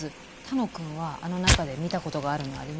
楽くんはあの中で見たことがあるのありましたか？